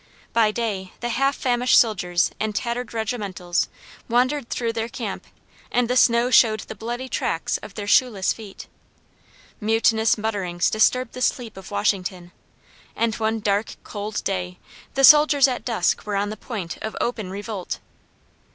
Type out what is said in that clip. By day the half famished soldiers in tattered regimentals wandered through their camp, and the snow showed the bloody tracks of their shoeless feet. Mutinous mutterings disturbed the sleep of Washington, and one dark, cold day, the soldiers at dusk were on the point of open revolt.